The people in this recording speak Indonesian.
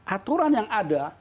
aturan yang ada